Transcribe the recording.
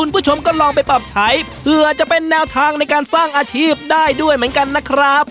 ปรับใช้เพื่อจะเป็นแนวทางในการสร้างอาชีพได้ด้วยเหมือนกันนะครับ